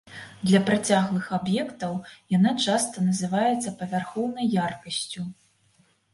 Для працяглых аб'ектаў яна часта называецца павярхоўнай яркасцю.